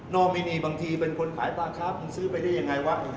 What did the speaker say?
อมินีบางทีเป็นคนขายปลาค้ามึงซื้อไปได้ยังไงวะ